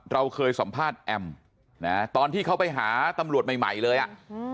เราเคยสัมภาษณ์แอมนะตอนที่เขาไปหาตำรวจใหม่ใหม่เลยอ่ะอืม